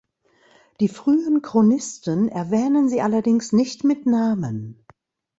Die frühen Chronisten erwähnen sie allerdings nicht mit Namen.